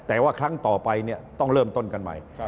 แต่ว่าครั้งต่อไปต้องเริ่มต้นกันใหม่